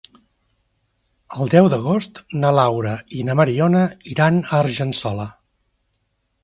El deu d'agost na Laura i na Mariona iran a Argençola.